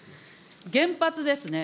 原発ですね。